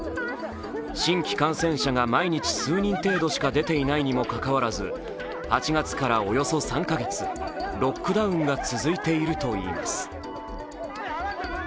新規感染者が毎日数人程度しか出ていないにもかかわらず８月からおよそ３か月ロックダウンが続いているといいます。